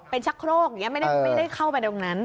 เป็นชักโครกไม่ได้เข้าไปตรงนั้น